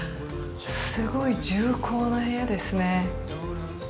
すごい重厚な部屋ですね。